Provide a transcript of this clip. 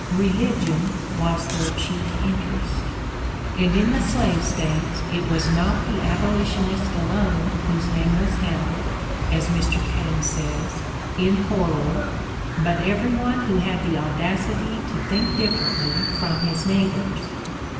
Religion was their chief interest." And in the slave States it was not the abolitionist alone whose name was held, as Mr. Paine says, "in horror," The Candidate for Life 35 but every one who had the audacity to think differently from his neighbors.